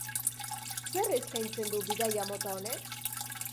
Zer eskatzein du bidaia mota honek?